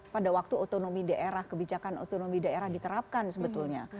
pada waktu otonomi daerah kebijakan otonomi daerah diterapkan sebetulnya